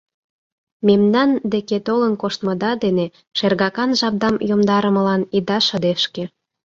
Мемнан деке толын коштмыда дене шергакан жапдам йомдарымылан ида шыдешке.